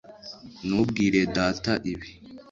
Ntubwire Data ibi